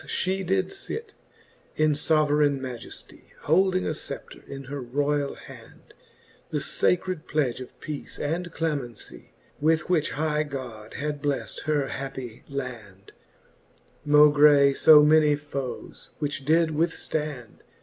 Thus fhe did lit in foverayne Majeftie, Holding a fcepter in her royall hand, The facred pledge of peace and clemencie. With which high God had bleft her happie land, Maugie fo many foes, which did withftand.